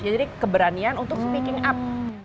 jadi keberanian untuk speaking up